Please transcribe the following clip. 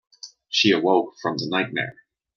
She awoke from the nightmare.